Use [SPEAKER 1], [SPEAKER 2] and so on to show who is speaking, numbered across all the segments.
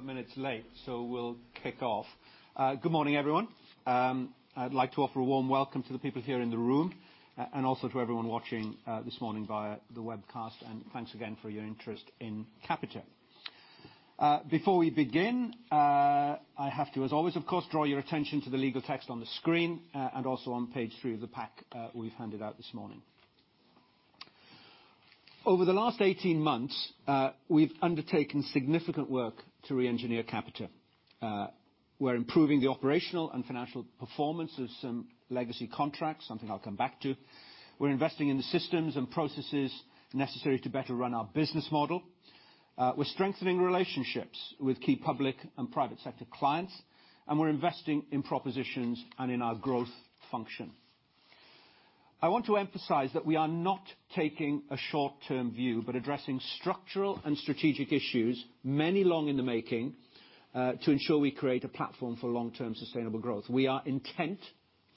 [SPEAKER 1] We're a couple of minutes late. We'll kick off. Good morning, everyone. I'd like to offer a warm welcome to the people here in the room. Also to everyone watching this morning via the webcast. Thanks again for your interest in Capita. Before we begin, I have to, as always, of course, draw your attention to the legal text on the screen. Also on page three of the pack we've handed out this morning. Over the last 18 months, we've undertaken significant work to re-engineer Capita. We're improving the operational and financial performance of some legacy contracts, something I'll come back to. We're investing in the systems and processes necessary to better run our business model. We're strengthening relationships with key public and private sector clients. We're investing in propositions and in our growth function. I want to emphasize that we are not taking a short-term view, but addressing structural and strategic issues, many long in the making, to ensure we create a platform for long-term sustainable growth. We are intent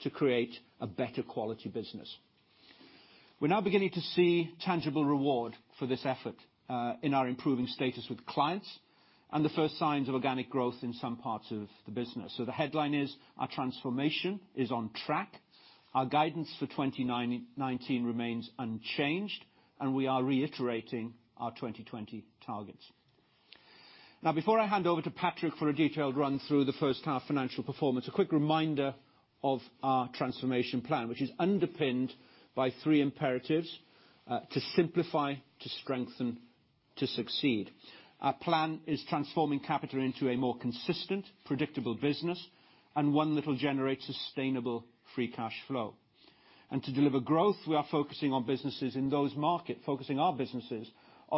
[SPEAKER 1] to create a better quality business. We're now beginning to see tangible reward for this effort, in our improving status with clients, and the first signs of organic growth in some parts of the business. The headline is: our transformation is on track. Our guidance for 2019 remains unchanged, and we are reiterating our 2020 targets. Before I hand over to Patrick for a detailed run through the first half financial performance, a quick reminder of our transformation plan, which is underpinned by three imperatives. To simplify, to strengthen, to succeed. Our plan is transforming Capita into a more consistent, predictable business, and one that'll generate sustainable free cash flow. To deliver growth, we are focusing our businesses on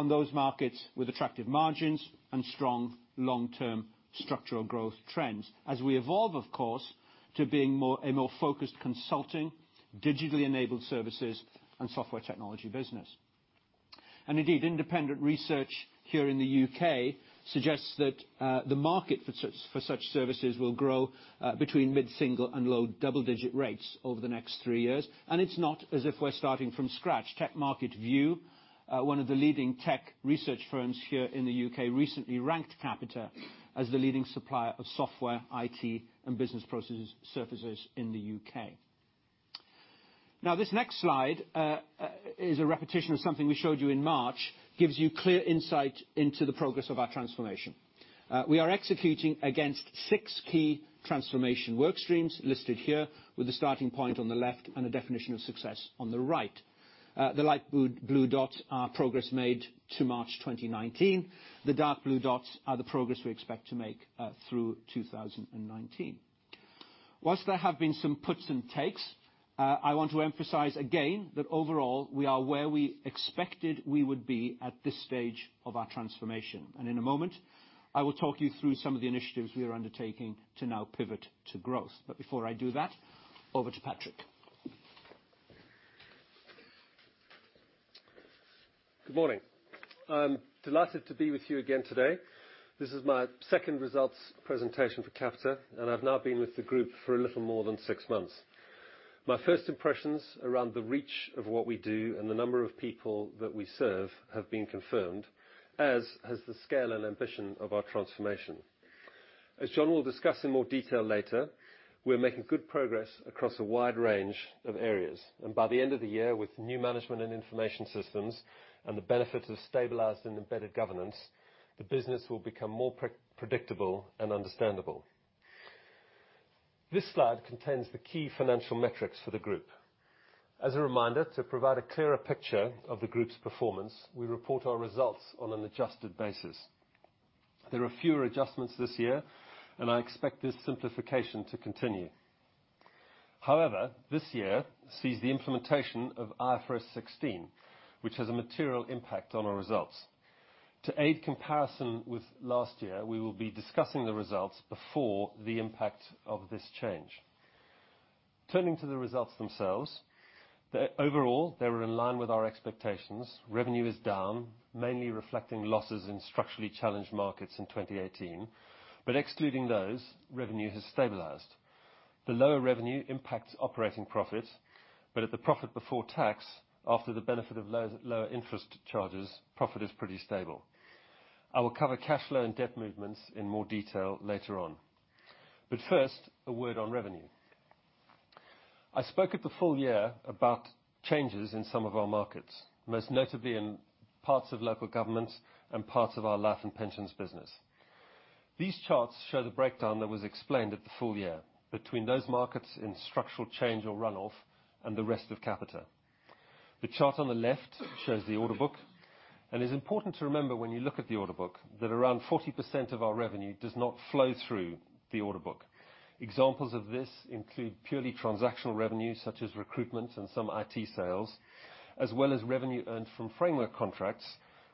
[SPEAKER 1] those markets with attractive margins and strong long-term structural growth trends. As we evolve, of course, to being a more focused consulting, digitally enabled services, and software technology business. Indeed, independent research here in the U.K. suggests that the market for such services will grow between mid-single and low double-digit rates over the next three years. It's not as if we're starting from scratch. TechMarketView, one of the leading tech research firms here in the U.K., recently ranked Capita as the leading supplier of software, IT, and business process services in the U.K. This next slide is a repetition of something we showed you in March, gives you clear insight into the progress of our transformation. We are executing against six key transformation work streams, listed here, with the starting point on the left, and the definition of success on the right. The light blue dots are progress made to March 2019. The dark blue dots are the progress we expect to make through 2019. While there have been some puts and takes, I want to emphasize again that overall, we are where we expected we would be at this stage of our transformation. In a moment, I will talk you through some of the initiatives we are undertaking to now pivot to growth. Before I do that, over to Patrick.
[SPEAKER 2] Good morning. I'm delighted to be with you again today. This is my second results presentation for Capita, and I've now been with the group for a little more than six months. My first impressions around the reach of what we do and the number of people that we serve have been confirmed, as has the scale and ambition of our transformation. As Jon will discuss in more detail later, we're making good progress across a wide range of areas. By the end of the year, with new management and information systems, and the benefit of stabilized and embedded governance, the business will become more predictable and understandable. This slide contains the key financial metrics for the group. As a reminder, to provide a clearer picture of the group's performance, we report our results on an adjusted basis. There are fewer adjustments this year, and I expect this simplification to continue. However, this year sees the implementation of IFRS 16, which has a material impact on our results. To aid comparison with last year, we will be discussing the results before the impact of this change. Turning to the results themselves, overall, they were in line with our expectations. Revenue is down, mainly reflecting losses in structurally challenged markets in 2018. Excluding those, revenue has stabilized. The lower revenue impacts operating profits, but at the profit before tax, after the benefit of lower interest charges, profit is pretty stable. I will cover cash flow and debt movements in more detail later on. First, a word on revenue. I spoke at the full year about changes in some of our markets, most notably in parts of local governments and parts of our life and pensions business. These charts show the breakdown that was explained at the full year between those markets in structural change or runoff and the rest of Capita. The chart on the left shows the order book. It's important to remember when you look at the order book, that around 40% of our revenue does not flow through the order book. Examples of this include purely transactional revenue, such as recruitment and some IT sales, as well as revenue earned from framework contracts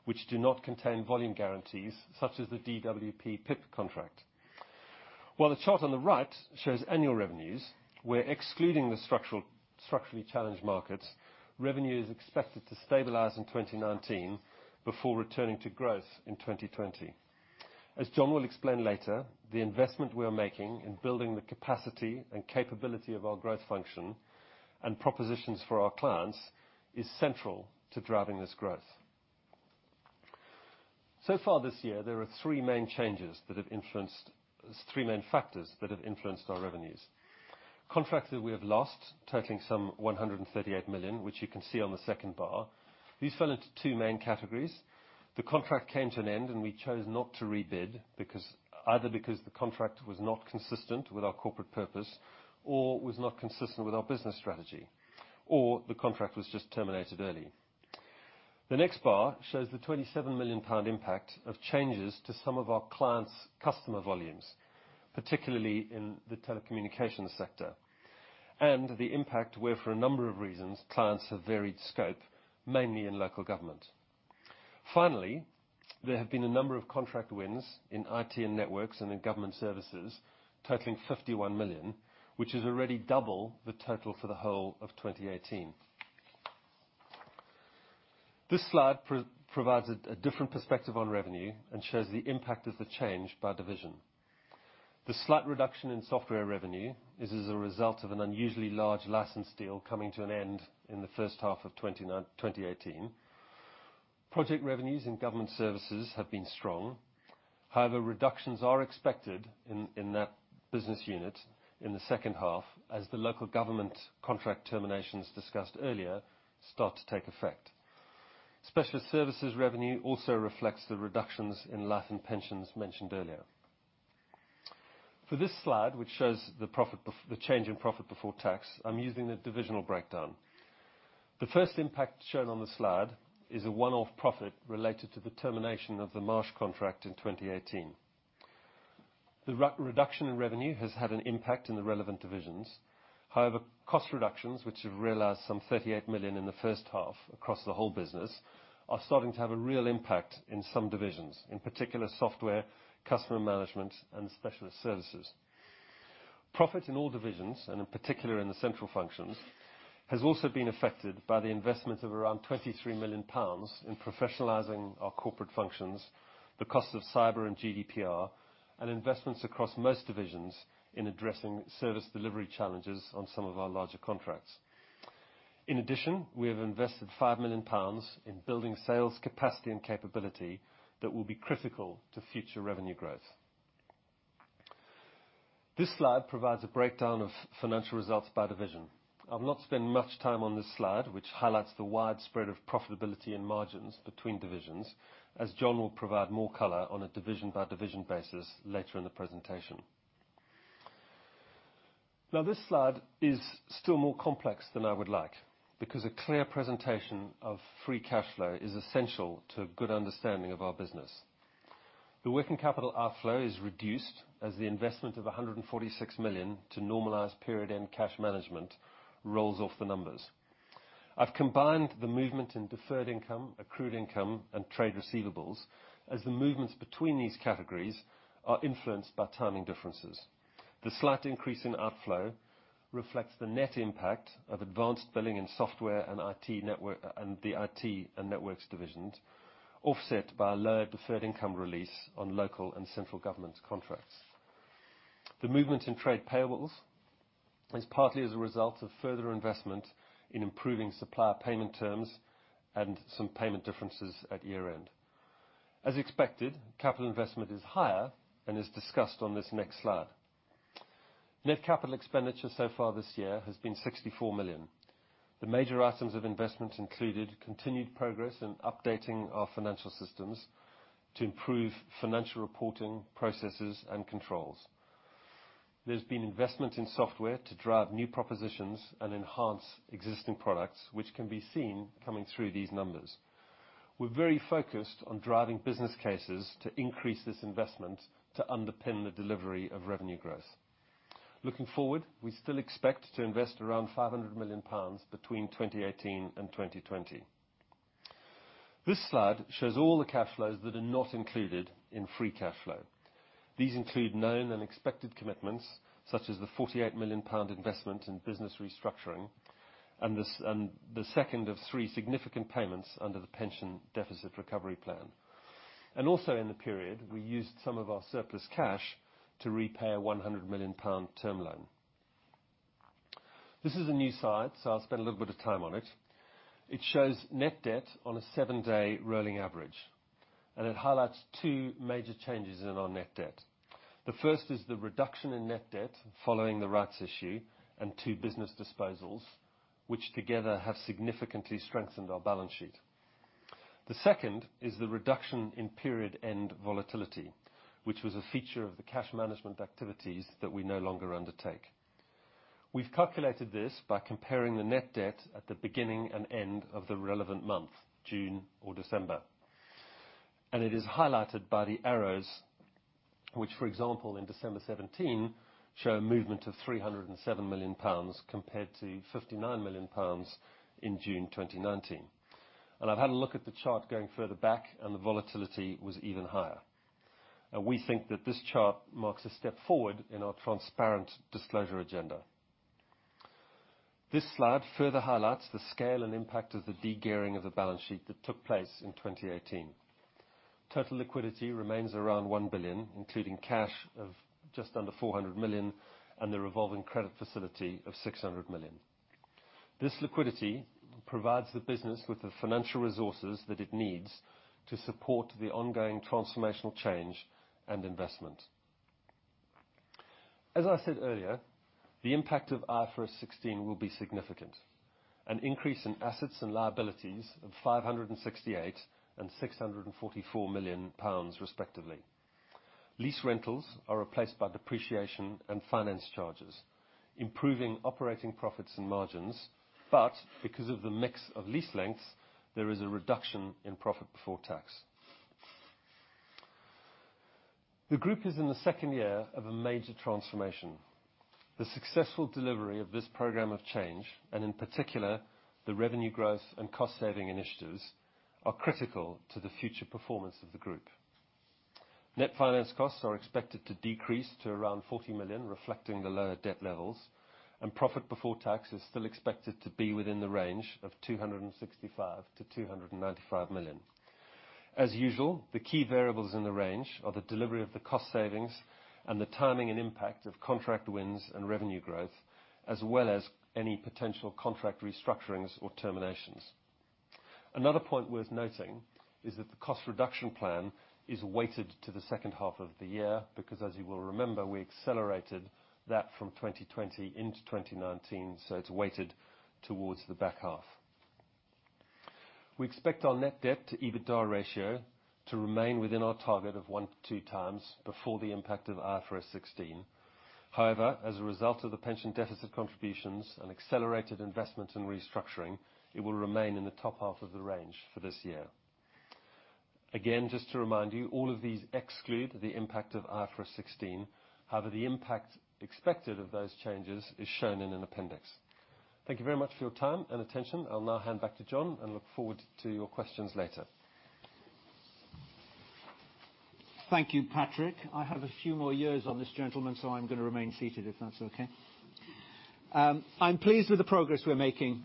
[SPEAKER 2] which do not contain volume guarantees, such as the DWP PIP contract. While the chart on the right shows annual revenues where, excluding the structurally challenged markets, revenue is expected to stabilize in 2019 before returning to growth in 2020. As Jon will explain later, the investment we are making in building the capacity and capability of our growth function and propositions for our clients is central to driving this growth. So far this year, there are three main factors that have influenced our revenues. Contracts that we have lost totaling some 138 million, which you can see on the second bar. These fell into two main categories. The contract came to an end, and we chose not to rebid, either because the contract was not consistent with our corporate purpose, or was not consistent with our business strategy, or the contract was just terminated early. The next bar shows the 27 million pound impact of changes to some of our clients' customer volumes, particularly in the telecommunications sector, and the impact where, for a number of reasons, clients have varied scope, mainly in local government. There have been a number of contract wins in IT and networks and in government services totaling 51 million, which is already double the total for the whole of 2018. This slide provides a different perspective on revenue and shows the impact of the change by division. The slight reduction in software revenue is as a result of an unusually large license deal coming to an end in the first half of 2018. Project revenues in government services have been strong. Reductions are expected in that business unit in the second half as the local government contract terminations discussed earlier start to take effect. Specialist services revenue also reflects the reductions in life and pensions mentioned earlier. For this slide, which shows the change in profit before tax, I'm using the divisional breakdown. The first impact shown on the slide is a one-off profit related to the termination of the Marsh contract in 2018. The reduction in revenue has had an impact in the relevant divisions. However, cost reductions, which have realized some 38 million in the first half across the whole business, are starting to have a real impact in some divisions, in particular, Software, Customer Management, and specialist services. Profit in all divisions, and in particular in the central functions, has also been affected by the investment of around 23 million pounds in professionalizing our corporate functions, the cost of cyber and GDPR, and investments across most divisions in addressing service delivery challenges on some of our larger contracts. In addition, we have invested 5 million pounds in building sales capacity and capability that will be critical to future revenue growth. This slide provides a breakdown of financial results by division. I'll not spend much time on this slide, which highlights the wide spread of profitability and margins between divisions, as Jon will provide more color on a division-by-division basis later in the presentation. This slide is still more complex than I would like, because a clear presentation of free cash flow is essential to a good understanding of our business. The working capital outflow is reduced as the investment of 146 million to normalize period and cash management rolls off the numbers. I've combined the movement in deferred income, accrued income, and trade receivables, as the movements between these categories are influenced by timing differences. The slight increase in outflow reflects the net impact of advanced billing and software and the IT and networks divisions, offset by a lower deferred income release on local and central government contracts. The movement in trade payables is partly as a result of further investment in improving supplier payment terms and some payment differences at year-end. As expected, capital investment is higher and is discussed on this next slide. Net capital expenditure so far this year has been 64 million. The major items of investment included continued progress in updating our financial systems to improve financial reporting processes and controls. There's been investment in software to drive new propositions and enhance existing products, which can be seen coming through these numbers. We're very focused on driving business cases to increase this investment to underpin the delivery of revenue growth. Looking forward, we still expect to invest around 500 million pounds between 2018 and 2020. This slide shows all the cash flows that are not included in free cash flow. These include known and expected commitments, such as the 48 million pound investment in business restructuring, and the second of three significant payments under the pension deficit recovery plan. Also in the period, we used some of our surplus cash to repay a 100 million pound term loan. This is a new slide, so I'll spend a little bit of time on it. It shows net debt on a seven-day rolling average, and it highlights two major changes in our net debt. The first is the reduction in net debt following the rights issue and two business disposals, which together have significantly strengthened our balance sheet. The second is the reduction in period end volatility, which was a feature of the cash management activities that we no longer undertake. We've calculated this by comparing the net debt at the beginning and end of the relevant month, June or December. It is highlighted by the arrows, which, for example, in December 2017, show a movement of 307 million pounds compared to 59 million pounds in June 2019. I've had a look at the chart going further back, and the volatility was even higher. We think that this chart marks a step forward in our transparent disclosure agenda. This slide further highlights the scale and impact of the de-gearing of the balance sheet that took place in 2018. Total liquidity remains around 1 billion, including cash of just under 400 million and the revolving credit facility of 600 million. This liquidity provides the business with the financial resources that it needs to support the ongoing transformational change and investment. As I said earlier, the impact of IFRS 16 will be significant. An increase in assets and liabilities of 568 million and 644 million pounds respectively. Lease rentals are replaced by depreciation and finance charges, improving operating profits and margins, but because of the mix of lease lengths, there is a reduction in profit before tax. The group is in the second year of a major transformation. The successful delivery of this program of change, and in particular, the revenue growth and cost-saving initiatives, are critical to the future performance of the group. Net finance costs are expected to decrease to around 40 million, reflecting the lower debt levels, and profit before tax is still expected to be within the range of 265 million-295 million. As usual, the key variables in the range are the delivery of the cost savings and the timing and impact of contract wins and revenue growth, as well as any potential contract restructurings or terminations. Another point worth noting is that the cost reduction plan is weighted to the second half of the year because, as you will remember, we accelerated that from 2020 into 2019, so it's weighted towards the back half. We expect our net debt to EBITDA ratio to remain within our target of 1 to 2 times before the impact of IFRS 16. As a result of the pension deficit contributions and accelerated investment in restructuring, it will remain in the top half of the range for this year. Again, just to remind you, all of these exclude the impact of IFRS 16. The impact expected of those changes is shown in an appendix. Thank you very much for your time and attention. I'll now hand back to Jon and look forward to your questions later.
[SPEAKER 1] Thank you, Patrick. I have a few more years on this gentleman, so I'm going to remain seated, if that's okay. I'm pleased with the progress we're making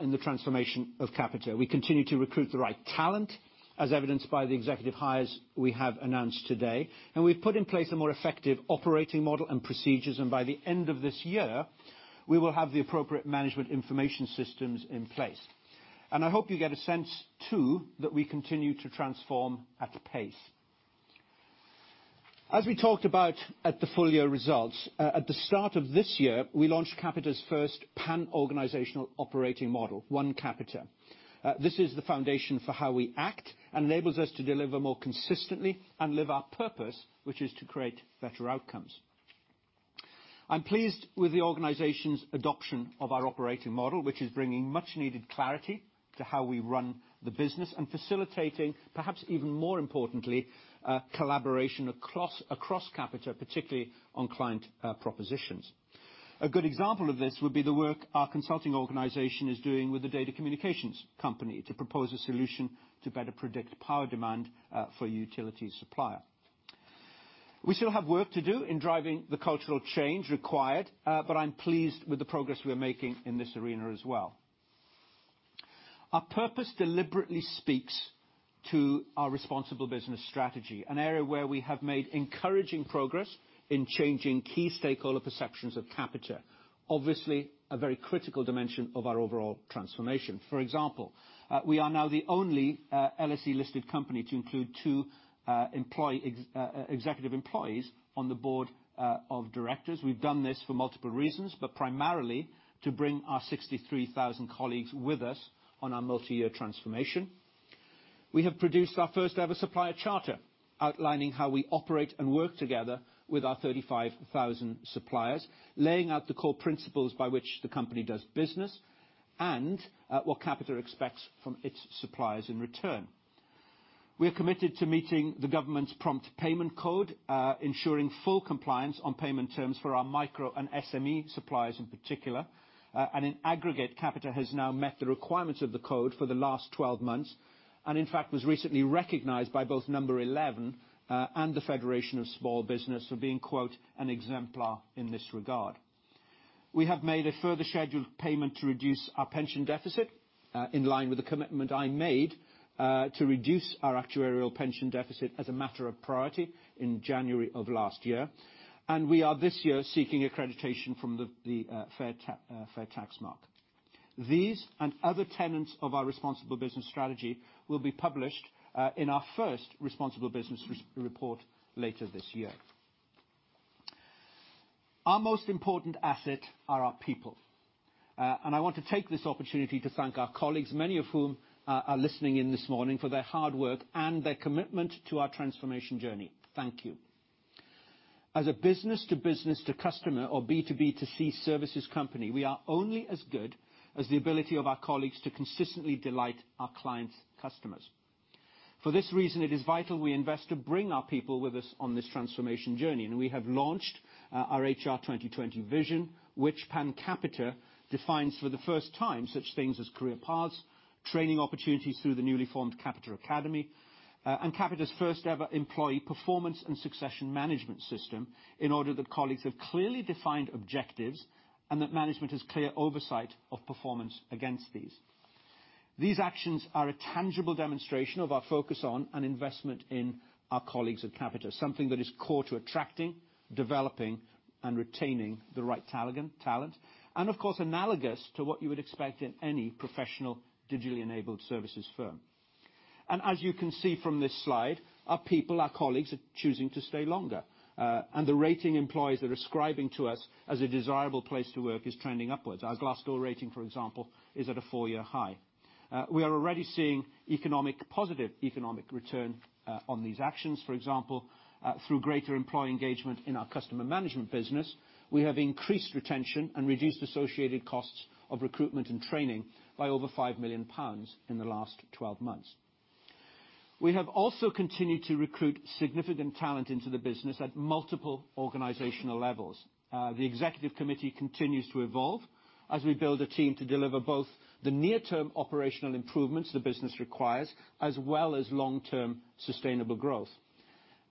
[SPEAKER 1] in the transformation of Capita. We continue to recruit the right talent, as evidenced by the executive hires we have announced today, and we've put in place a more effective operating model and procedures, and by the end of this year, we will have the appropriate management information systems in place. I hope you get a sense too that we continue to transform at pace. As we talked about at the full year results, at the start of this year, we launched Capita's first pan-organizational operating model, One Capita. This is the foundation for how we act and enables us to deliver more consistently and live our purpose, which is to create better outcomes. I'm pleased with the organization's adoption of our operating model, which is bringing much-needed clarity to how we run the business and facilitating, perhaps even more importantly, collaboration across Capita, particularly on client propositions. A good example of this would be the work our consulting organization is doing with the data communications company to propose a solution to better predict power demand for a utility supplier. We still have work to do in driving the cultural change required, but I'm pleased with the progress we are making in this arena as well. Our purpose deliberately speaks to our responsible business strategy, an area where we have made encouraging progress in changing key stakeholder perceptions of Capita. Obviously, a very critical dimension of our overall transformation. For example, we are now the only LSE-listed company to include two executive employees on the board of directors. We've done this for multiple reasons, but primarily to bring our 63,000 colleagues with us on our multi-year transformation. We have produced our first-ever supplier charter outlining how we operate and work together with our 35,000 suppliers, laying out the core principles by which the company does business, and what Capita expects from its suppliers in return. We are committed to meeting the government's prompt payment code, ensuring full compliance on payment terms for our micro and SME suppliers in particular. In aggregate, Capita has now met the requirements of the code for the last 12 months, and in fact, was recently recognized by both Number 11 and the Federation of Small Businesses for being, quote, "an exemplar" in this regard. We have made a further scheduled payment to reduce our pension deficit, in line with the commitment I made to reduce our actuarial pension deficit as a matter of priority in January of last year. We are this year seeking accreditation from the Fair Tax Mark. These and other tenets of our responsible business strategy will be published in our first responsible business report later this year. Our most important asset are our people. I want to take this opportunity to thank our colleagues, many of whom are listening in this morning, for their hard work and their commitment to our transformation journey. Thank you. As a business-to-business-to-customer, or B2B2C services company, we are only as good as the ability of our colleagues to consistently delight our clients' customers. For this reason, it is vital we invest to bring our people with us on this transformation journey, and we have launched our HR 2020 vision, which pan-Capita defines for the first time such things as career paths, training opportunities through the newly formed Capita Academy, and Capita's first-ever employee performance and succession management system in order that colleagues have clearly defined objectives and that management has clear oversight of performance against these. These actions are a tangible demonstration of our focus on, and investment in, our colleagues at Capita. Something that is core to attracting, developing, and retaining the right talent. Of course, analogous to what you would expect in any professional digitally enabled services firm. As you can see from this slide, our people, our colleagues, are choosing to stay longer. The rating employees are ascribing to us as a desirable place to work is trending upwards. Our Glassdoor rating, for example, is at a four-year high. We are already seeing positive economic return on these actions. For example, through greater employee engagement in our customer management business, we have increased retention and reduced associated costs of recruitment and training by over 5 million pounds in the last 12 months. We have also continued to recruit significant talent into the business at multiple organizational levels. The Executive Committee continues to evolve as we build a team to deliver both the near-term operational improvements the business requires, as well as long-term sustainable growth.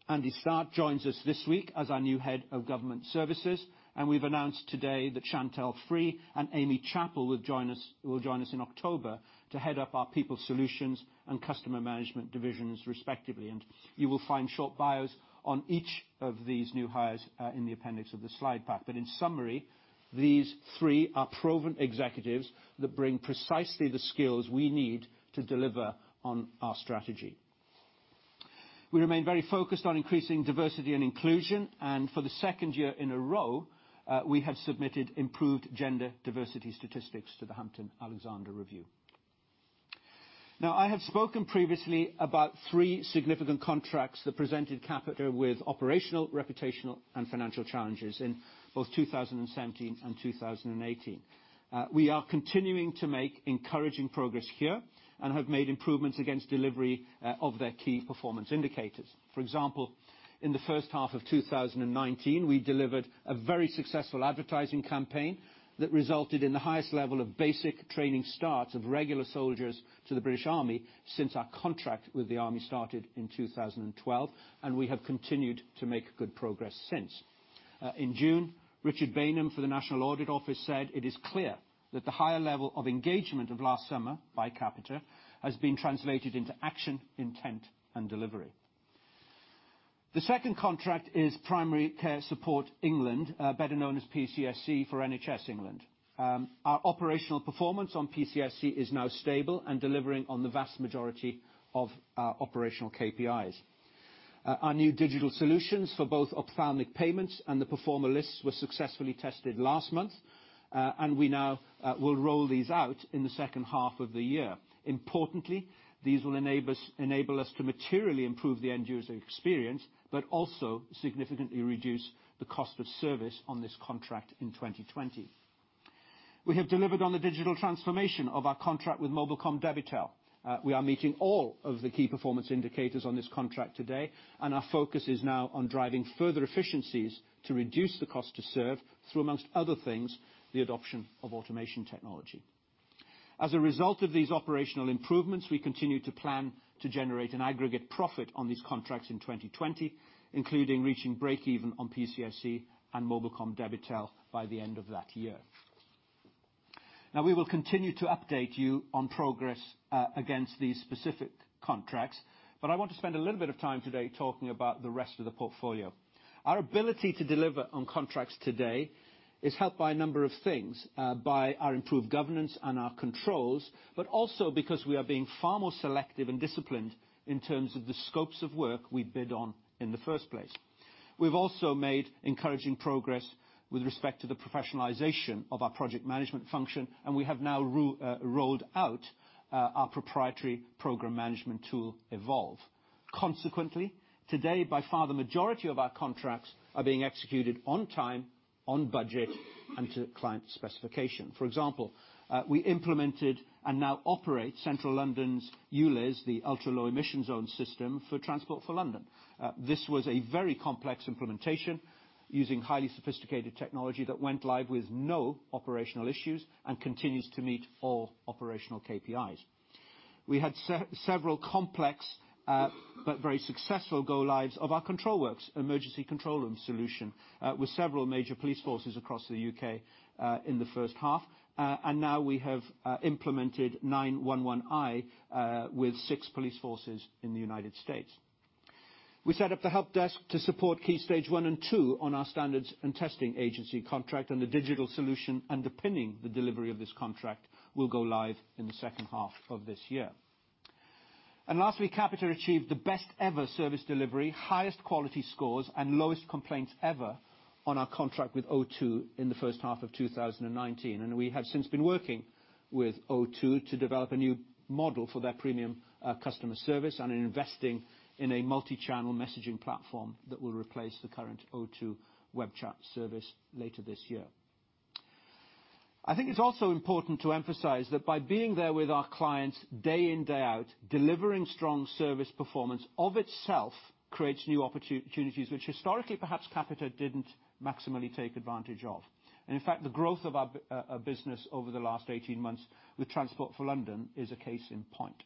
[SPEAKER 1] Andy Start joins us this week as our new head of government services. We've announced today that Chantal Free and Aimie Chapple will join us in October to head up our People Solutions and Customer Management divisions, respectively. You will find short bios on each of these new hires, in the appendix of the slide pack. In summary, these three are proven executives that bring precisely the skills we need to deliver on our strategy. We remain very focused on increasing diversity and inclusion. For the second year in a row, we have submitted improved gender diversity statistics to the Hampton-Alexander Review. I have spoken previously about three significant contracts that presented Capita with operational, reputational, and financial challenges in both 2017 and 2018. We are continuing to make encouraging progress here and have made improvements against delivery of their key performance indicators. For example, in the first half of 2019, we delivered a very successful advertising campaign that resulted in the highest level of basic training starts of regular soldiers to the British Army since our contract with the Army started in 2012, and we have continued to make good progress since. In June, Richard Baynham for the National Audit Office said, "It is clear that the higher level of engagement of last summer by Capita has been translated into action, intent and delivery." The second contract is Primary Care Support England, better known as PCSE for NHS England. Our operational performance on PCSE is now stable and delivering on the vast majority of our operational KPIs. Our new digital solutions for both ophthalmic payments and the performer lists were successfully tested last month, and we now will roll these out in the second half of the year. Importantly, these will enable us to materially improve the end user experience, but also significantly reduce the cost of service on this contract in 2020. We have delivered on the digital transformation of our contract with mobilcom-debitel. We are meeting all of the KPIs on this contract today, and our focus is now on driving further efficiencies to reduce the cost to serve through, amongst other things, the adoption of automation technology. As a result of these operational improvements, we continue to plan to generate an aggregate profit on these contracts in 2020, including reaching breakeven on PCSE and mobilcom-debitel by the end of that year. We will continue to update you on progress against these specific contracts. I want to spend a little bit of time today talking about the rest of the portfolio. Our ability to deliver on contracts today is helped by a number of things, by our improved governance and our controls, but also because we are being far more selective and disciplined in terms of the scopes of work we bid on in the first place. We've also made encouraging progress with respect to the professionalization of our project management function, and we have now rolled out our proprietary program management tool, Evolve. Consequently, today, by far, the majority of our contracts are being executed on time, on budget, and to client specification. For example, we implemented and now operate Central London's ULEZ, the ultra-low emission zone system for Transport for London. This was a very complex implementation using highly sophisticated technology that went live with no operational issues and continues to meet all operational KPIs. We had several complex but very successful go lives of our ControlWorks emergency control room solution with several major police forces across the U.K. in the first half. Now we have implemented 911eye, with six police forces in the U.S. We set up the help desk to support Key Stage 1 and 2 on our standards and testing agency contract, and the digital solution underpinning the delivery of this contract will go live in the second half of this year. Lastly, Capita achieved the best ever service delivery, highest quality scores, and lowest complaints ever on our contract with O2 in the first half of 2019. We have since been working with O2 to develop a new model for their premium customer service and are investing in a multi-channel messaging platform that will replace the current O2 web chat service later this year. I think it's also important to emphasize that by being there with our clients day in, day out, delivering strong service performance of itself creates new opportunities, which historically perhaps Capita didn't maximally take advantage of. In fact, the growth of our business over the last 18 months with Transport for London is a case in point.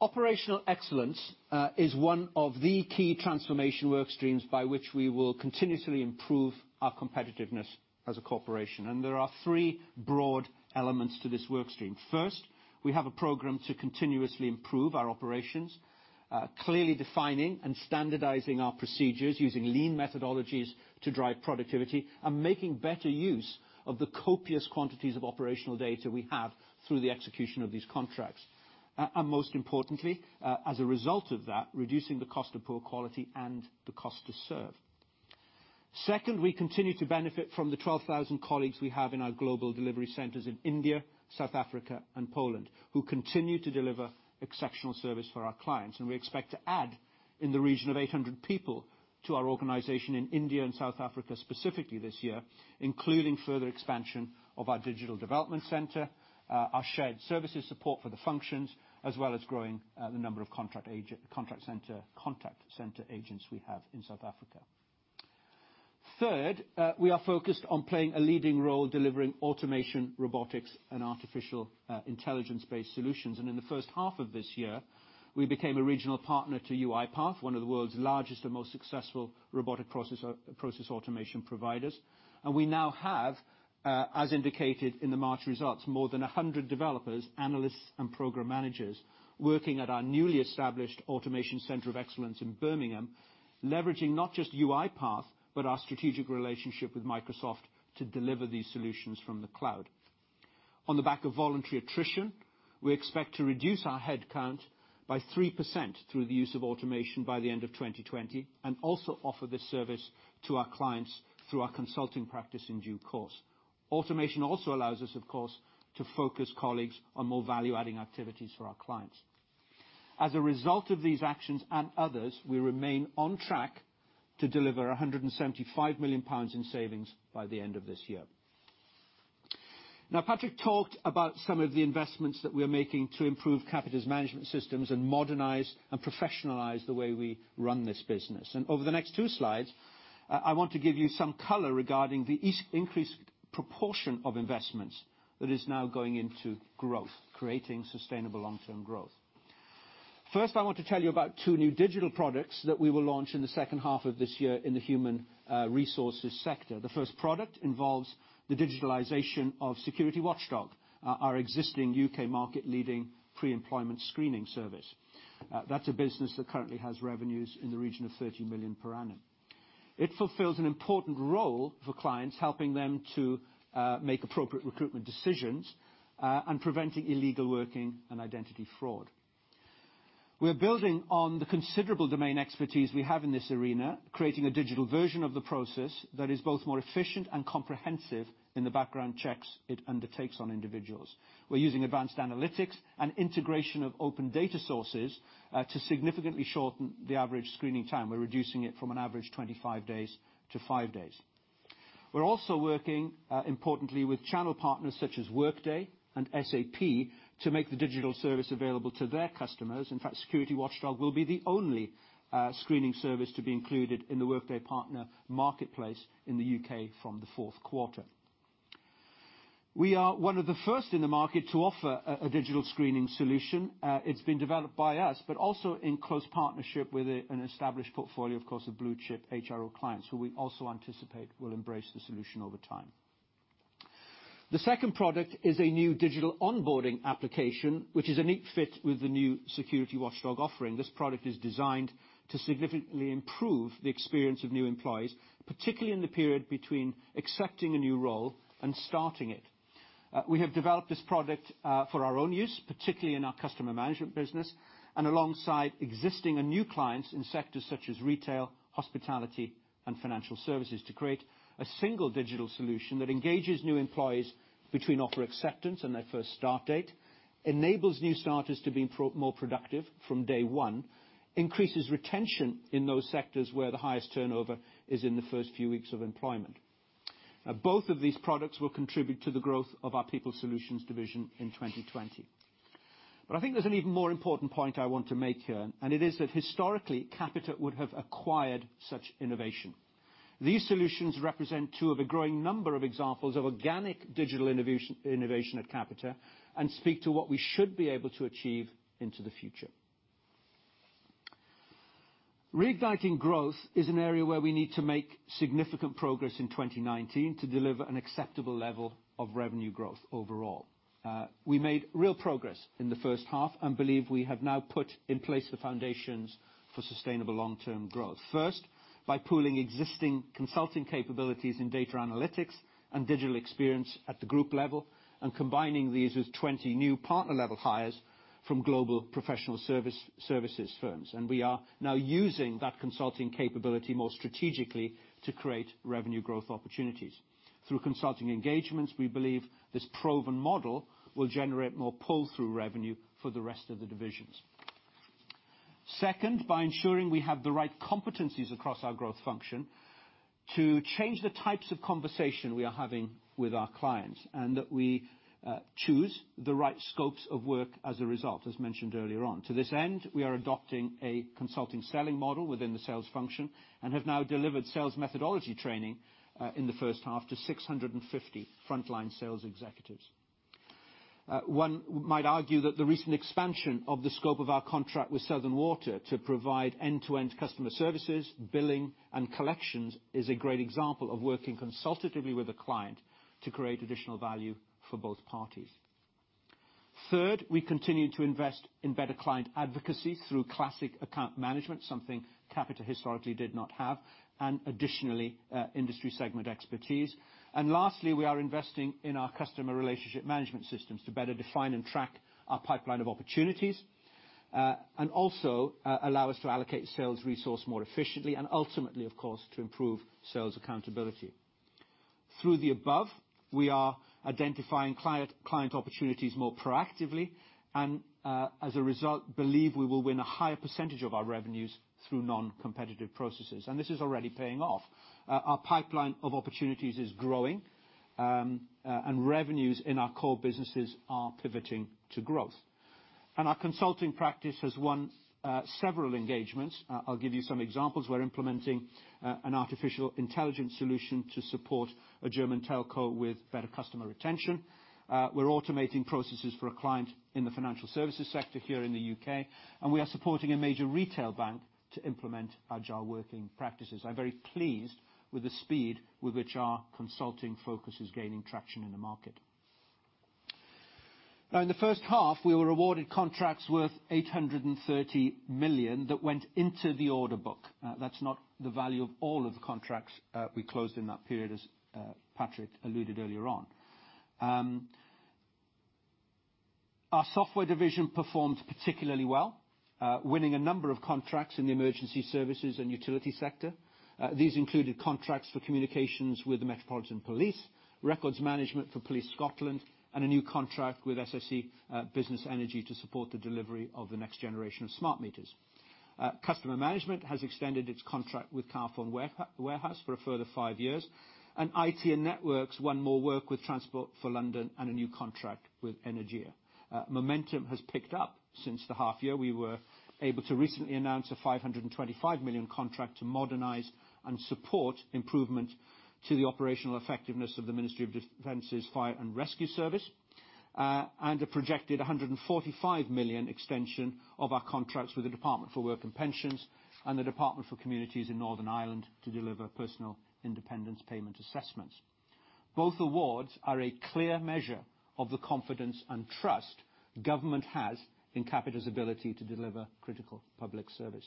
[SPEAKER 1] Operational excellence is one of the key transformation work streams by which we will continuously improve our competitiveness as a corporation, and there are three broad elements to this work stream. First, we have a program to continuously improve our operations, clearly defining and standardizing our procedures using lean methodologies to drive productivity and making better use of the copious quantities of operational data we have through the execution of these contracts. Most importantly, as a result of that, reducing the cost of poor quality and the cost to serve. Second, we continue to benefit from the 12,000 colleagues we have in our global delivery centers in India, South Africa, and Poland, who continue to deliver exceptional service for our clients. We expect to add in the region of 800 people to our organization in India and South Africa, specifically this year, including further expansion of our digital development center, our shared services support for the functions, as well as growing the number of contract center agents we have in South Africa. Third, we are focused on playing a leading role delivering automation, robotics, and artificial intelligence-based solutions. In the first half of this year, we became a regional partner to UiPath, one of the world's largest and most successful robotic process automation providers. We now have, as indicated in the March results, more than 100 developers, analysts, and program managers working at our newly established automation center of excellence in Birmingham, leveraging not just UiPath, but our strategic relationship with Microsoft to deliver these solutions from the cloud. On the back of voluntary attrition, we expect to reduce our head count by 3% through the use of automation by the end of 2020, and also offer this service to our clients through our consulting practice in due course. Automation also allows us, of course, to focus colleagues on more value-adding activities for our clients. As a result of these actions and others, we remain on track to deliver 175 million pounds in savings by the end of this year. Patrick talked about some of the investments that we're making to improve Capita's management systems and modernize and professionalize the way we run this business. Over the next two slides, I want to give you some color regarding the increased proportion of investments that is now going into growth, creating sustainable long-term growth. First, I want to tell you about two new digital products that we will launch in the second half of this year in the human resources sector. The first product involves the digitalization of Security Watchdog, our existing U.K. market-leading pre-employment screening service. That's a business that currently has revenues in the region of 30 million per annum. It fulfills an important role for clients, helping them to make appropriate recruitment decisions, and preventing illegal working and identity fraud. We're building on the considerable domain expertise we have in this arena, creating a digital version of the process that is both more efficient and comprehensive in the background checks it undertakes on individuals. We're using advanced analytics and integration of open data sources to significantly shorten the average screening time. We're reducing it from an average 25 days to five days. We're also working, importantly, with channel partners such as Workday and SAP to make the digital service available to their customers. In fact, Security Watchdog will be the only screening service to be included in the Workday partner marketplace in the U.K. from the fourth quarter. We are one of the first in the market to offer a digital screening solution. It has been developed by us, but also in close partnership with an established portfolio, of course, of blue-chip HRO clients who we also anticipate will embrace the solution over time. The second product is a new digital onboarding application, which is a neat fit with the new Security Watchdog offering. This product is designed to significantly improve the experience of new employees, particularly in the period between accepting a new role and starting it. We have developed this product for our own use, particularly in our Customer Management business, and alongside existing and new clients in sectors such as retail, hospitality, and financial services, to create a single digital solution that engages new employees between offer acceptance and their first start date, enables new starters to be more productive from day one, increases retention in those sectors where the highest turnover is in the first few weeks of employment. Both of these products will contribute to the growth of our People Solutions division in 2020. I think there's an even more important point I want to make here, and it is that historically, Capita would have acquired such innovation. These solutions represent two of a growing number of examples of organic digital innovation at Capita and speak to what we should be able to achieve into the future. Reigniting growth is an area where we need to make significant progress in 2019 to deliver an acceptable level of revenue growth overall. We made real progress in the first half and believe we have now put in place the foundations for sustainable long-term growth. First, by pooling existing consulting capabilities in data analytics and digital experience at the group level and combining these with 20 new partner-level hires from global professional services firms. We are now using that consulting capability more strategically to create revenue growth opportunities. Through consulting engagements, we believe this proven model will generate more pull-through revenue for the rest of the divisions. Second, by ensuring we have the right competencies across our growth function to change the types of conversation we are having with our clients, and that we choose the right scopes of work as a result, as mentioned earlier on. To this end, we are adopting a consulting selling model within the sales function and have now delivered sales methodology training in the first half to 650 frontline sales executives. One might argue that the recent expansion of the scope of our contract with Southern Water to provide end-to-end customer services, billing, and collections is a great example of working consultatively with a client to create additional value for both parties. Third, we continue to invest in better client advocacy through classic account management, something Capita historically did not have, and additionally, industry segment expertise. Lastly, we are investing in our customer relationship management systems to better define and track our pipeline of opportunities, and also allow us to allocate sales resource more efficiently and ultimately, of course, to improve sales accountability. Through the above, we are identifying client opportunities more proactively and, as a result, believe we will win a higher percentage of our revenues through non-competitive processes. This is already paying off. Our pipeline of opportunities is growing, and revenues in our core businesses are pivoting to growth. Our consulting practice has won several engagements. I'll give you some examples. We're implementing an artificial intelligence solution to support a German telco with better customer retention. We're automating processes for a client in the financial services sector here in the U.K., and we are supporting a major retail bank to implement agile working practices. I'm very pleased with the speed with which our consulting focus is gaining traction in the market. In the first half, we were awarded contracts worth 830 million that went into the order book. That's not the value of all of the contracts we closed in that period, as Patrick alluded earlier on. Our Software division performed particularly well, winning a number of contracts in the emergency services and utility sector. These included contracts for communications with the Metropolitan Police, records management for Police Scotland, and a new contract with SSE Business Energy to support the delivery of the next generation of smart meters. Customer Management has extended its contract with Carphone Warehouse for a further five years. IT and Networks won more work with Transport for London and a new contract with Energia. Momentum has picked up since the half year. We were able to recently announce a 525 million contract to modernize and support improvement to the operational effectiveness of the Ministry of Defence's fire and rescue service. A projected 145 million extension of our contracts with the Department for Work and Pensions and the Department for Communities in Northern Ireland to deliver Personal Independence Payment assessments. Both awards are a clear measure of the confidence and trust government has in Capita's ability to deliver critical public service.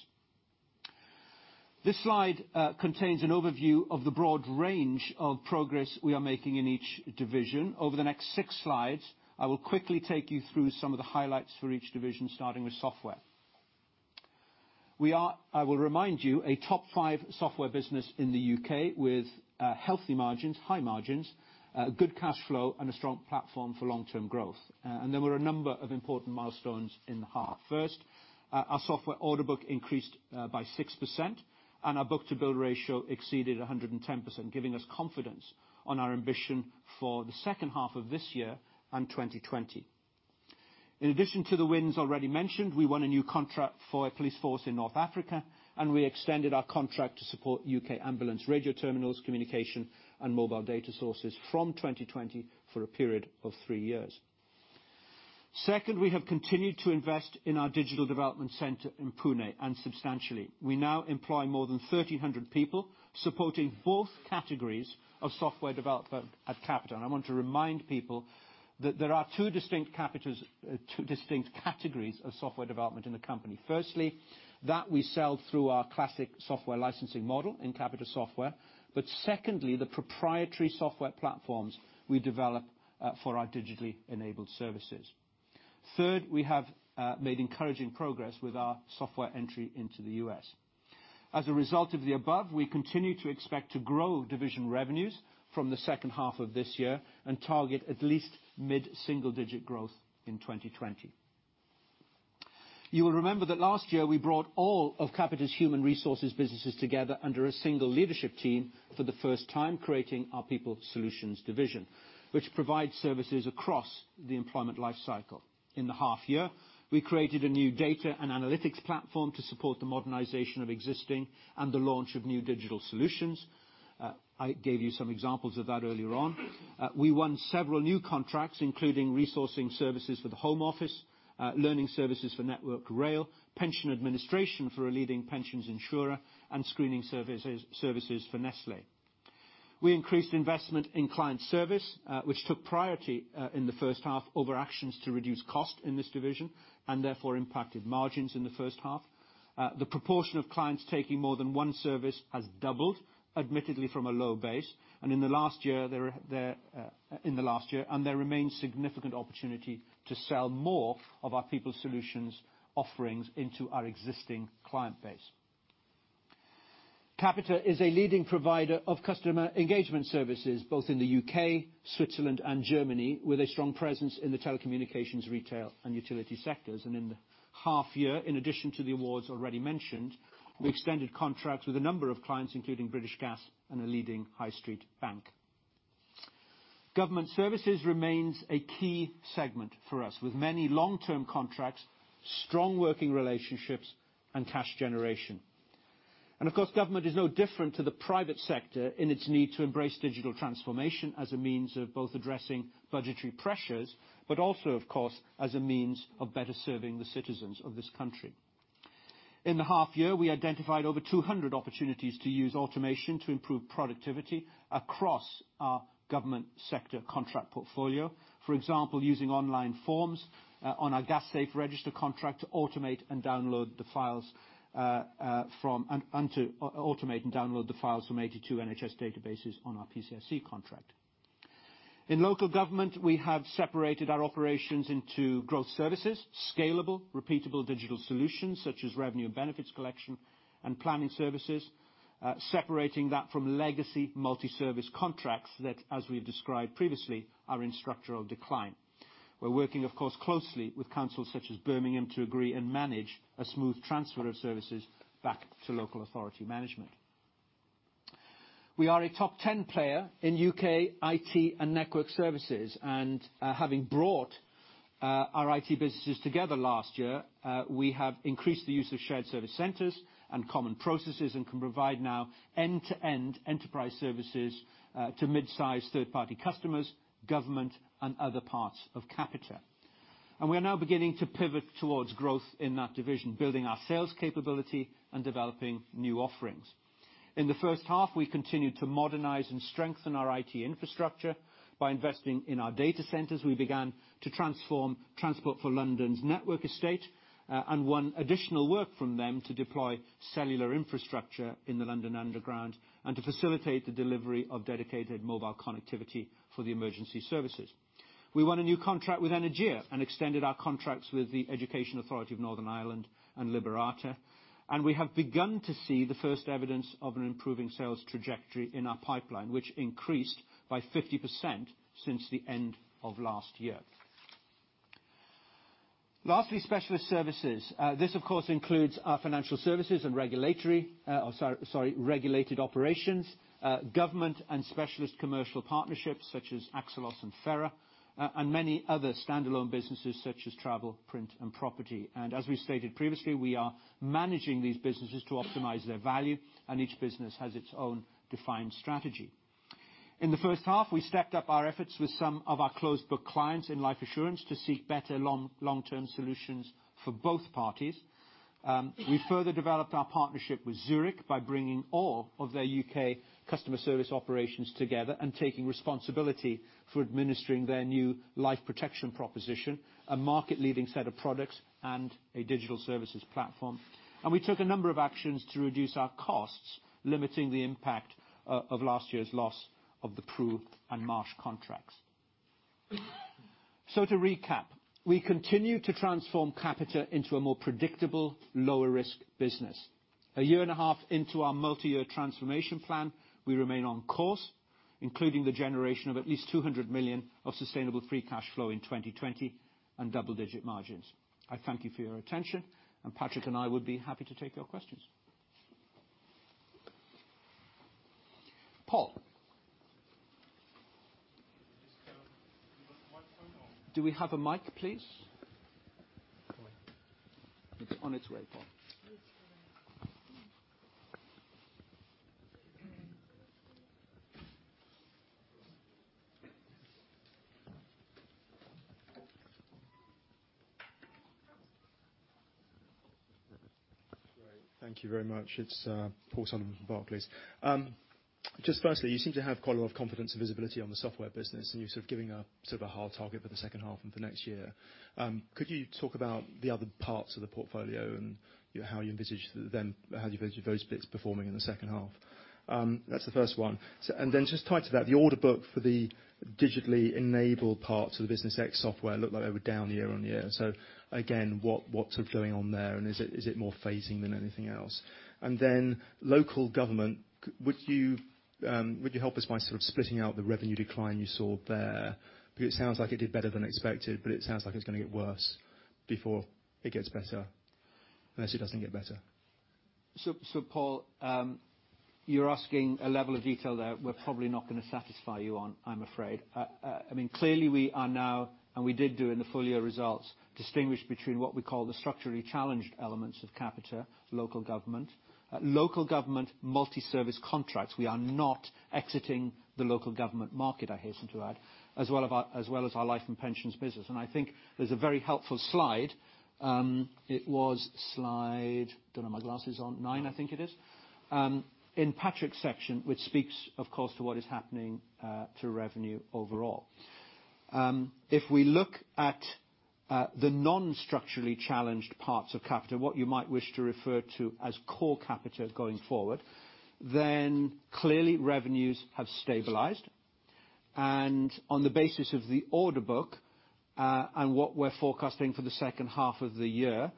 [SPEAKER 1] This slide contains an overview of the broad range of progress we are making in each division. Over the next six slides, I will quickly take you through some of the highlights for each division, starting with Software. We are, I will remind you, a top five software business in the U.K. with healthy margins, high margins, good cash flow, and a strong platform for long-term growth. There were a number of important milestones in the half. First, our software order book increased by 6%, and our book-to-bill ratio exceeded 110%, giving us confidence on our ambition for the second half of this year and 2020. In addition to the wins already mentioned, we won a new contract for a police force in North Africa, and we extended our contract to support U.K. ambulance radio terminals, communication, and mobile data sources from 2020 for a period of three years. Second, we have continued to invest in our digital development center in Pune, and substantially. We now employ more than 1,300 people, supporting both categories of software development at Capita. I want to remind people that there are two distinct categories of software development in the company. Firstly, that we sell through our classic software licensing model in Capita Software. Secondly, the proprietary software platforms we develop for our digitally enabled services. Third, we have made encouraging progress with our software entry into the U.S. As a result of the above, we continue to expect to grow division revenues from the second half of this year and target at least mid-single digit growth in 2020. You will remember that last year we brought all of Capita's human resources businesses together under a single leadership team for the first time, creating our People Solutions division, which provides services across the employment life cycle. In the half year, we created a new data and analytics platform to support the modernization of existing and the launch of new digital solutions. I gave you some examples of that earlier on. We won several new contracts, including resourcing services for the Home Office, learning services for Network Rail, pension administration for a leading pensions insurer, and screening services for Nestlé. We increased investment in client service, which took priority in the first half over actions to reduce cost in this division, and therefore impacted margins in the first half. The proportion of clients taking more than one service has doubled, admittedly from a low base. In the last year, there remains significant opportunity to sell more of our People Solutions offerings into our existing client base. Capita is a leading provider of customer engagement services, both in the U.K., Switzerland, and Germany, with a strong presence in the telecommunications, retail, and utility sectors. In the half year, in addition to the awards already mentioned, we extended contracts with a number of clients, including British Gas and a leading high street bank. Government services remains a key segment for us, with many long-term contracts, strong working relationships, and cash generation. Of course, government is no different to the private sector in its need to embrace digital transformation as a means of both addressing budgetary pressures, but also, of course, as a means of better serving the citizens of this country. In the half year, we identified over 200 opportunities to use automation to improve productivity across our government sector contract portfolio. For example, using online forms on our Gas Safe Register contract to automate and download the files from 82 NHS databases on our PCSE contract. In local government, we have separated our operations into growth services, scalable, repeatable digital solutions such as revenue and benefits collection, and planning services, separating that from legacy multi-service contracts that, as we've described previously, are in structural decline. We're working, of course, closely with councils such as Birmingham to agree and manage a smooth transfer of services back to local authority management. We are a top 10 player in U.K. IT and network services. Having brought our IT businesses together last year, we have increased the use of shared service centers and common processes, and can provide now end-to-end enterprise services to mid-size third-party customers, government, and other parts of Capita. We are now beginning to pivot towards growth in that division, building our sales capability and developing new offerings. In the first half, we continued to modernize and strengthen our IT infrastructure by investing in our data centers. We began to transform Transport for London's network estate, and won additional work from them to deploy cellular infrastructure in the London Underground, and to facilitate the delivery of dedicated mobile connectivity for the emergency services. We won a new contract with Energia and extended our contracts with the Education Authority of Northern Ireland and Liberata. We have begun to see the first evidence of an improving sales trajectory in our pipeline, which increased by 50% since the end of last year. Lastly, specialist services. This, of course, includes our financial services and regulatory, regulated operations, government and specialist commercial partnerships such as Axelos and Fera, and many other standalone businesses such as travel, print, and property. As we stated previously, we are managing these businesses to optimize their value, and each business has its own defined strategy. In the first half, we stepped up our efforts with some of our closed book clients in life assurance to seek better long-term solutions for both parties. We further developed our partnership with Zurich by bringing all of their UK customer service operations together and taking responsibility for administering their new life protection proposition, a market-leading set of products, and a digital services platform. We took a number of actions to reduce our costs, limiting the impact of last year's loss of the Prudential and Marsh contracts. To recap, we continue to transform Capita into a more predictable, lower risk business. A year and a half into our multi-year transformation plan, we remain on course, including the generation of at least 200 million of sustainable free cash flow in 2020 and double-digit margins. I thank you for your attention, Patrick and I would be happy to take your questions. Paul. Do we have a mic, please?
[SPEAKER 2] It's on its way, Paul.
[SPEAKER 3] Great. Thank you very much. It's Paul Sullivan from Barclays. Just firstly, you seem to have quite a lot of confidence and visibility on the software business, and you're sort of giving a sort of a hard target for the second half and for next year. Could you talk about the other parts of the portfolio and how you envisage those bits performing in the second half? That's the first one. Just tied to that, the order book for the digitally enabled parts of the business ex software looked like they were down year-on-year. Again, what's sort of going on there, and is it more phasing than anything else? Local government, would you help us by sort of splitting out the revenue decline you saw there? It sounds like it did better than expected, but it sounds like it's going to get worse before it gets better, unless it doesn't get better.
[SPEAKER 1] Paul, you're asking a level of detail there we're probably not going to satisfy you on, I'm afraid. Clearly we are now, and we did do in the full year results, distinguish between what we call the structurally challenged elements of Capita, local government. Local government multi-service contracts. We are not exiting the local government market, I hasten to add, as well as our life and pensions business. I think there's a very helpful slide. It was slide, don't know my glasses on, nine, I think it is, in Patrick's section, which speaks, of course, to what is happening to revenue overall. If we look at the non-structurally challenged parts of Capita, what you might wish to refer to as core Capita going forward, then clearly revenues have stabilized. On the basis of the order book, and what we're forecasting for the second half of the year,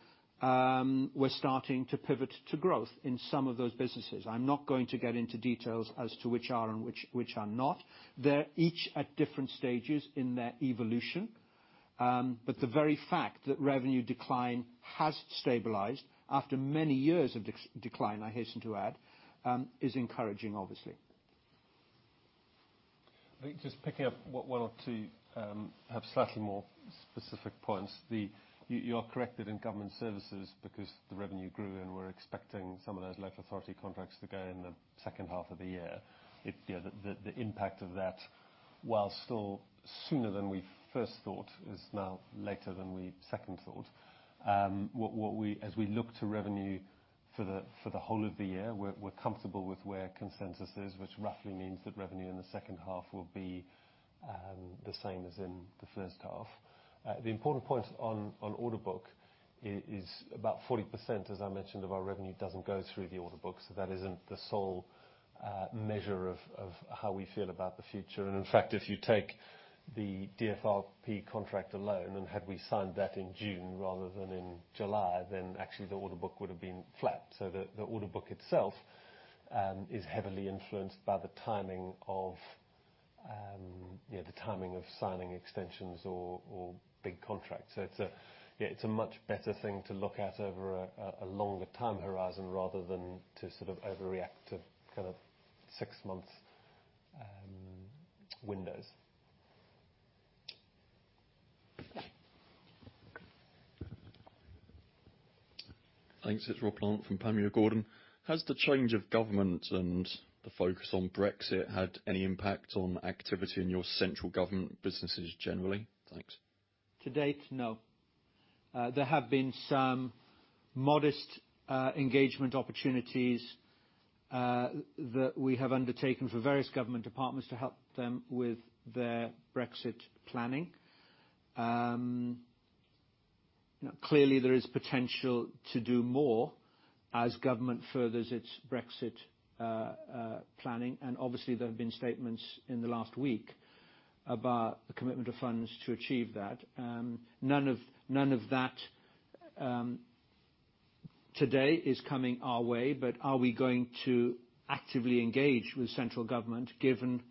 [SPEAKER 1] we're starting to pivot to growth in some of those businesses. I'm not going to get into details as to which are and which are not. They're each at different stages in their evolution. The very fact that revenue decline has stabilized after many years of decline, I hasten to add, is encouraging obviously.
[SPEAKER 2] I think just picking up one or two perhaps slightly more specific points. You are correct that in government services, because the revenue grew, and we're expecting some of those local authority contracts to go in the second half of the year. The impact of that, while still sooner than we first thought, is now later than we second thought. As we look to revenue for the whole of the year, we're comfortable with where consensus is, which roughly means that revenue in the second half will be the same as in the first half. The important point on order book is about 40%, as I mentioned, of our revenue doesn't go through the order book, so that isn't the sole measure of how we feel about the future. In fact, if you take the DFRP contract alone, and had we signed that in June rather than in July, then actually the order book would've been flat. The order book itself is heavily influenced by the timing of signing extensions or big contracts. It's a much better thing to look at over a longer time horizon rather than to overreact to six months windows.
[SPEAKER 4] Thanks. It's Rob Plant from Panmure Gordon. Has the change of government and the focus on Brexit had any impact on activity in your central government businesses generally? Thanks.
[SPEAKER 1] To date, no. There have been some modest engagement opportunities that we have undertaken for various government departments to help them with their Brexit planning. Clearly, there is potential to do more as government furthers its Brexit planning, and obviously there have been statements in the last week about the commitment of funds to achieve that. None of that today is coming our way. Are we going to actively engage with central government, given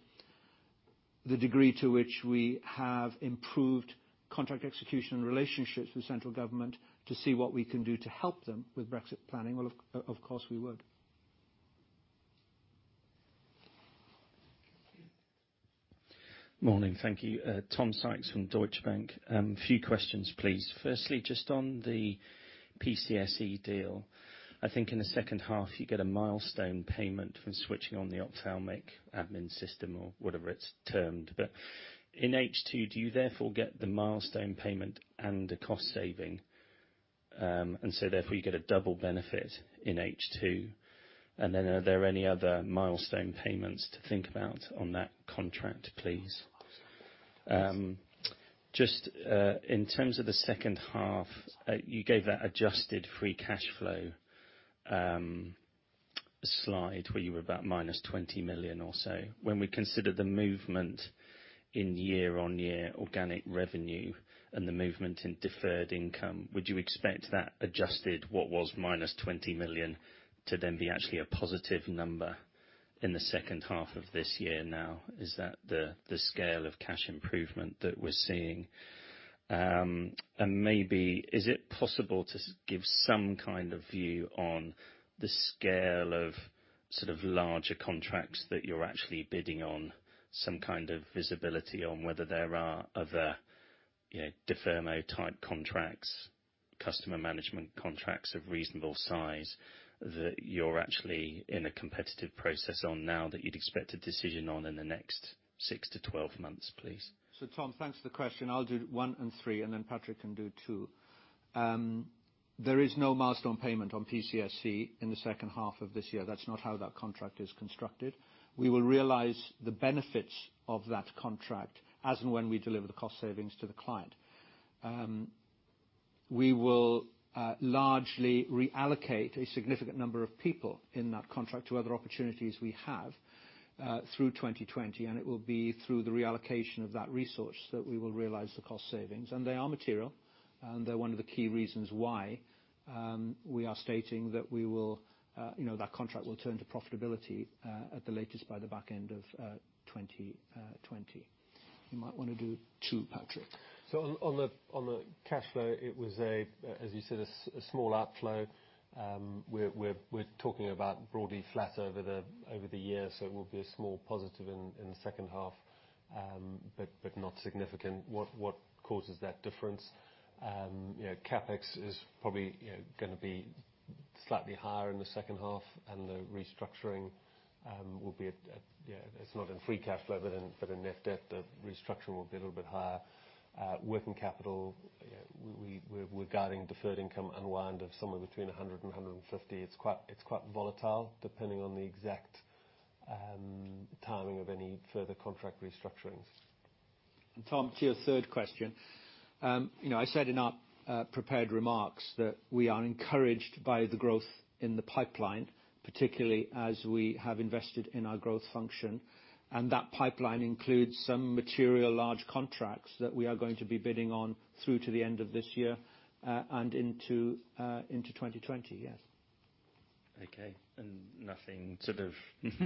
[SPEAKER 1] the degree to which we have improved contract execution relationships with central government to see what we can do to help them with Brexit planning? Well, of course we would.
[SPEAKER 5] Morning. Thank you. Tom Sykes from Deutsche Bank. A few questions, please. Firstly, just on the PCSE deal. I think in the second half you get a milestone payment from switching on the ophthalmic admin system or whatever it's termed. In H2, do you therefore get the milestone payment and the cost saving, and so therefore you get a double benefit in H2? Are there any other milestone payments to think about on that contract, please? Just in terms of the second half, you gave that adjusted free cash flow slide where you were about minus 20 million or so. When we consider the movement in year-on-year organic revenue and the movement in deferred income, would you expect that adjusted what was minus 20 million to then be actually a positive number in the second half of this year now? Is that the scale of cash improvement that we're seeing? Maybe is it possible to give some kind of view on the scale of larger contracts that you're actually bidding on, some kind of visibility on whether there are other de facto type contracts, customer management contracts of reasonable size that you're actually in a competitive process on now that you'd expect a decision on in the next six to 12 months, please?
[SPEAKER 1] Tom, thanks for the question. I'll do one and three, and then Patrick can do two. There is no milestone payment on PCSE in the second half of this year. That's not how that contract is constructed. We will realize the benefits of that contract as and when we deliver the cost savings to the client. We will largely reallocate a significant number of people in that contract to other opportunities we have through 2020, and it will be through the reallocation of that resource that we will realize the cost savings. They are material, and they're one of the key reasons why we are stating that contract will turn to profitability at the latest by the back end of 2020. You might want to do two, Patrick.
[SPEAKER 2] On the cash flow, it was a, as you said, a small outflow. We're talking about broadly flat over the year, it will be a small positive in the second half, not significant. What causes that difference? CapEx is probably going to be slightly higher in the second half, the restructuring, it's not in free cash flow, in net debt, the restructuring will be a little bit higher. Working capital, we're guiding deferred income unwind of somewhere between 100 million and 150 million. It's quite volatile depending on the exact timing of any further contract restructurings.
[SPEAKER 1] Tom, to your third question. I said in our prepared remarks that we are encouraged by the growth in the pipeline, particularly as we have invested in our growth function, and that pipeline includes some material large contracts that we are going to be bidding on through to the end of this year and into 2020. Yes.
[SPEAKER 5] Okay. Nothing sort of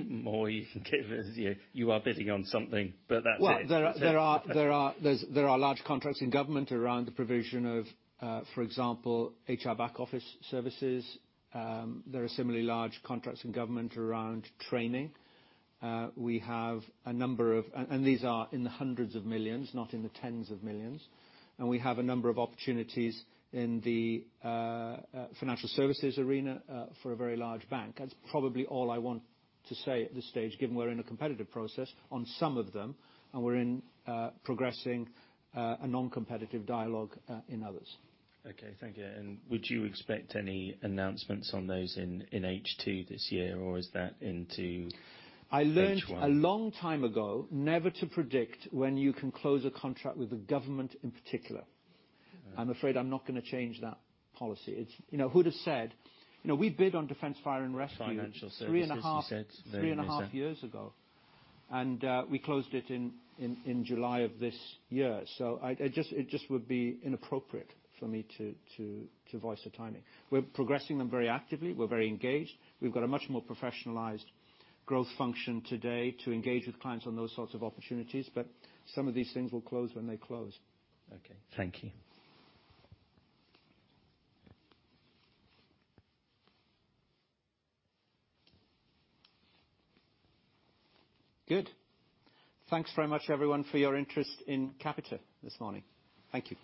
[SPEAKER 5] more you can give us? You are bidding on something, but that's it.
[SPEAKER 1] Well, there are large contracts in government around the provision of, for example, HR back office services. There are similarly large contracts in government around training. These are in the hundreds of millions, not in the tens of millions. We have a number of opportunities in the financial services arena for a very large bank. That's probably all I want to say at this stage, given we're in a competitive process on some of them, and we're in progressing a non-competitive dialogue in others.
[SPEAKER 5] Okay, thank you. Would you expect any announcements on those in H2 this year, or is that into H1?
[SPEAKER 1] I learned a long time ago never to predict when you can close a contract with the government in particular. I'm afraid I'm not going to change that policy. Who'd have said? We bid on Defence Fire and Rescue.
[SPEAKER 5] Financial services, you said
[SPEAKER 1] Three and a half years ago, and we closed it in July of this year. It just would be inappropriate for me to voice a timing. We're progressing them very actively. We're very engaged. We've got a much more professionalized growth function today to engage with clients on those sorts of opportunities, but some of these things will close when they close.
[SPEAKER 5] Okay. Thank you.
[SPEAKER 1] Good. Thanks very much, everyone, for your interest in Capita this morning. Thank you.